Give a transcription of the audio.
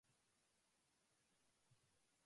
宮城県七ヶ宿町